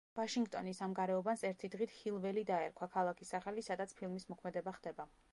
ვაშინგტონის ამ გარეუბანს ერთი დღით ჰილ-ველი დაერქვა, ქალაქის სახელი სადაც ფილმის მოქმედება ხდება.